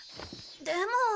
でも。